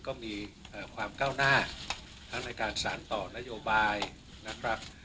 ก็มีความก้าวหน้าทั้งในการสารต่อนโยบายนะครับ